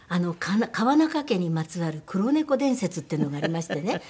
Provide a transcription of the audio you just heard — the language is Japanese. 川中家にまつわる黒猫伝説っていうのがありましてね。